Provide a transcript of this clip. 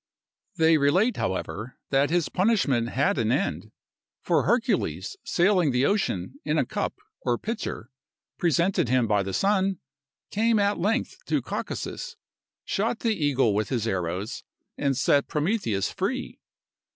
They relate, however, that his punishment had an end; for Hercules sailing the ocean, in a cup, or pitcher, presented him by the Sun, came at length to Caucasus, shot the eagle with his arrows, and set Prometheus free.